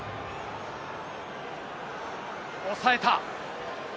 抑えた。